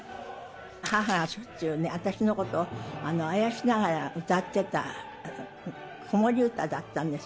母はしょっちゅうね、私のことをあやしながら歌ってた、子守歌だったんです。